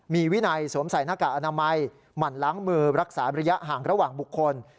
มีวินัยสวมใส่หน้ากากอนามัยหมั่นล้างมือรักษาระยะห่างระหว่างบุคคล